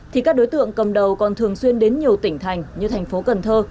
thì các đối tượng cầm đầu còn thường xuyên đến nhiều tỉnh thành như thành phố cần thơ